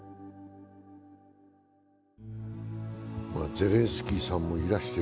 ゼレンスキーさんもいらして、